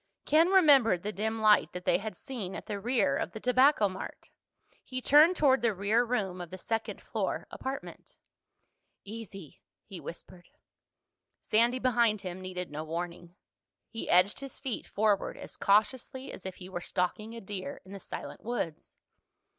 Ken remembered the dim light that they had seen at the rear of the Tobacco Mart. He turned toward the rear room of the second floor apartment. "Easy," he whispered. Sandy, behind him, needed no warning. He edged his feet forward as cautiously as if he were stalking a deer in the silent woods.